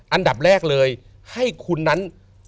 อันดับแรกเลยให้คุณนั้น